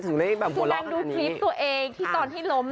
คือดูคลิปตัวเองสตอนที่ล้ม